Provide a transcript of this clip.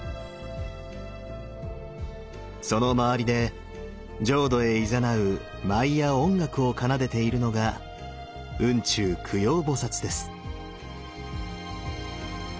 その周りで浄土へいざなう舞や音楽を奏でているのが雲中供養菩です。